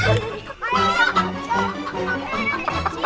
aduh aduh aduh